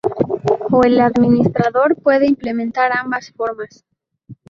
O el administrador puede implementar ambas formas.